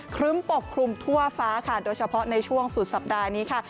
ครึ้มปกคลุมทั่วฟ้าค่ะโดยเฉพาะในช่วงสุดสัปดาห์นี้ค่ะ